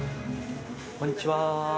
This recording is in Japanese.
こんにちは。